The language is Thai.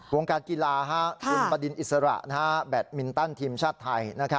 วงการกีฬาคุณบดินอิสระแบตมินตันทีมชาติไทย